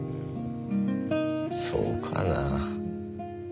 そうかなぁ。